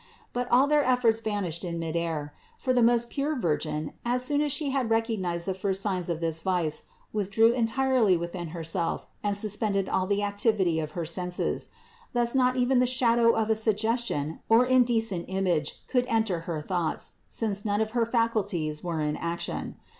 But all their efforts vanished in midair ; for the most pure Virgin, as soon as She had recognized the first signs of this vice, withdrew entirely within Herself and suspended all the activity of her senses. Thus not even the shadow of a suggestion or indecent image could enter her thoughts, since none of her faculties were in action.